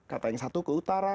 kata yang satu ke utara